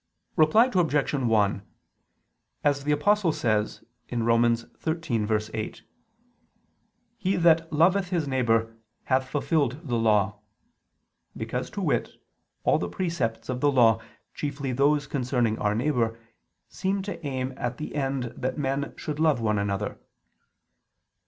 Reply Obj. 1: As the Apostle says (Rom. 13:8), "he that loveth his neighbor hath fulfilled the Law": because, to wit, all the precepts of the Law, chiefly those concerning our neighbor, seem to aim at the end that men should love one another.